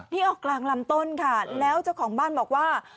นี่ออกกลางลำต้นค่ะแล้วเจ้าของบ้านบอกว่า